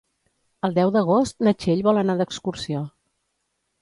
El deu d'agost na Txell vol anar d'excursió.